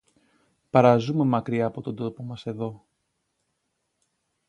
Παραζούμε μακριά από τον τόπο μας, εδώ